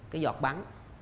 cái giọt bắn